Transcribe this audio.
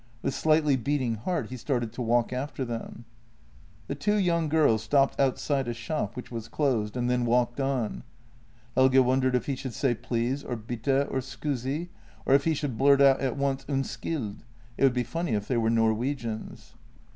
With slightly beating heart he started to walk after them. The two young girls stopped outside a shop, which was closed, and then walked on. Helge wondered if he should say " Please " or " Bitte " or " Scusi "— or if he should blurt out at once " Undskyld "— it would be funny if they were Nor wegians.